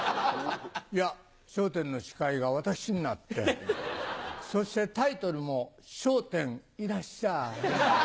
『笑点』の司会が私になってそしてタイトルも「笑点いらっしゃい！」。